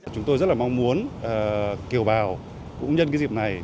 chúng tôi rất là mong muốn kiều bào cũng nhân cái dịp này